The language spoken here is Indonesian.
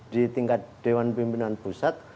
di tingkat dewan pimpinan pusat